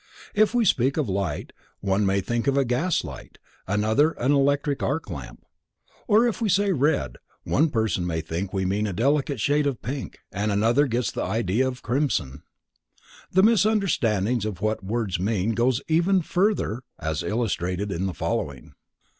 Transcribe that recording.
If we speak of a "light", one may think of a gas light, another of an electric Arc lamp, or if we say "red", one person may think we mean a delicate shade of pink and another gets the idea of crimson. The misunderstandings of what words mean goes even farther, as illustrated in the following.